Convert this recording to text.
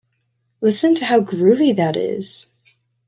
Listen to how groovy that is!